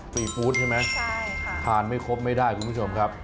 ฟู้ดใช่ไหมทานไม่ครบไม่ได้คุณผู้ชมครับ